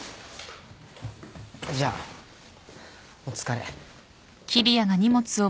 じゃあお疲れ。